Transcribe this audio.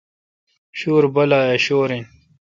شویر بالہ اؘ شور این۔